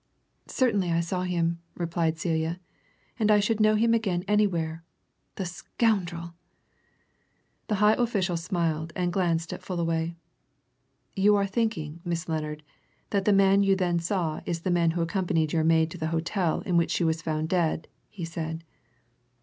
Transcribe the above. "Certainly I saw him," replied Celia. "And I should know him again anywhere the scoundrel!" The high official smiled and glanced at Fullaway. "You are thinking, Miss Lennard, that the man you then saw is the man who accompanied your maid to the hotel in which she was found dead," he said.